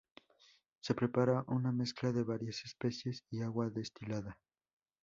Se prepara una mezcla de varias especias y agua destilada.